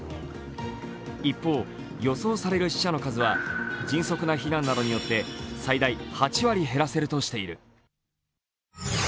一方、予想される死者の数は迅速な避難などによって最大８割減らせるとしている。